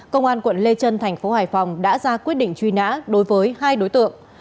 công an tp hải phòng đã ra quyết định truy nã đối với hai đối tượng